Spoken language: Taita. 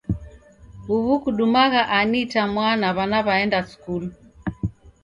Huw'u kudumagha ani itamwaa na w'ana w'aenda skulu?